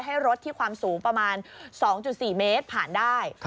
ให้รถที่ความสูงประมาณ๒๔เมตรผ่านได้